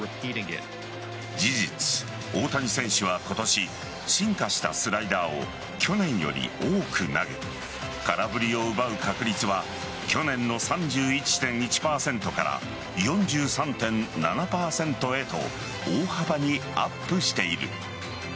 事実、大谷選手は今年進化したスライダーを去年より多く投げ空振りを奪う確率は去年の３１．１％から４３．７％へと大幅にアップしている。